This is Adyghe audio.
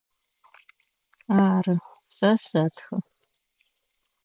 Ары, сэ сэтхэ.